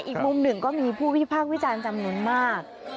อีกมุมหนึ่งก็มีผู้วิพากษ์วิจารณ์จำนวนมาก